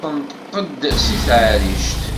Tenṭeq-d seg teɛrict.